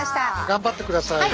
頑張ってください。